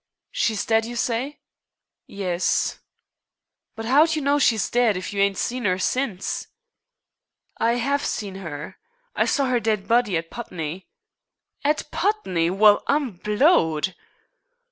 "She's dead, you s'y?" "Yes." "But 'ow'd you know she's dead, if you 'ain't seen 'er since?" "I have seen her. I saw her dead body at Putney." "At Putney! Well, I'm blowed!"